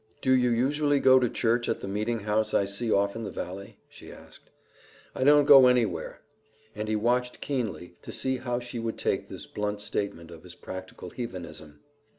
"Do you usually go to church at the meeting house I see off in the valley?" she asked. "I don't go anywhere," and he watched keenly to see how she would take this blunt statement of his practical heathenism.